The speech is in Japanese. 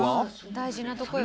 「大事なとこよ」